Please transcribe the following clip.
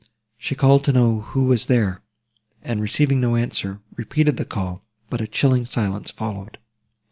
She called to know who was there, and receiving no answer, repeated the call; but a chilling silence followed.